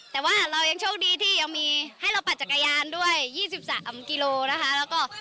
แต่ว่าเรายังโชคดีที่ยังมีให้เราปั่นจักรยานด้วย๒๓กิโลนะคะแล้วก็